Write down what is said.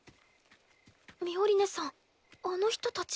ミオリネさんあの人たち。